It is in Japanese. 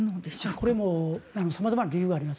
これも様々な理由があります。